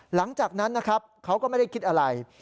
หลังจากนั้นเขาก็ไม่ได้คิดอะไร